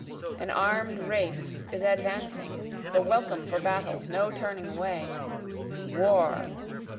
an arm'd race is advancing! the welcome for battle, no turning away! War!